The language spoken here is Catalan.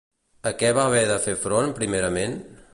A què va haver de fer front primerament?